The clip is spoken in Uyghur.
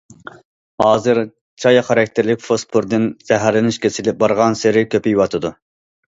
ھازىر‹‹ چاي خاراكتېرلىك فوسفوردىن زەھەرلىنىش كېسىلى›› بارغانسېرى كۆپىيىۋاتىدۇ.